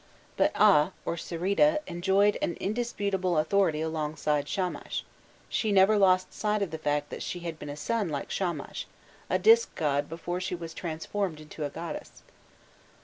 But A or Sirrida enjoyed an indisputable authority alongside Shamash: she never lost sight of the fact that she had been a sun like Shamash, a disk god before she was transformed into a goddess.